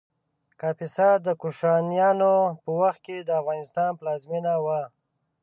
کاپیسا د کوشانیانو په وخت کې د افغانستان پلازمېنه وه